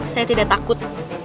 saya tidak takut